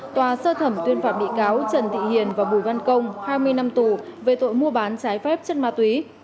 tòa sơ thẩm tuyên phạt bị cáo trần thị hiền và bùi văn công hai mươi năm tù về tội mua bán trái phép chất ma túy